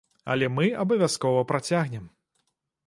Але мы абавязкова працягнем!